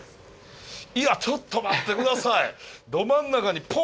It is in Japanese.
いやちょっと待って下さい！